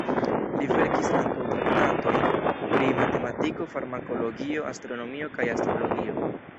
Li verkis ankaŭ traktatojn pri matematiko, farmakologio, astronomio kaj astrologio.